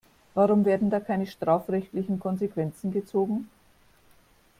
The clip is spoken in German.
Warum werden da keine strafrechtlichen Konsequenzen gezogen?